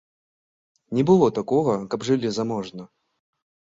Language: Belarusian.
Не было такога, каб жылі заможна.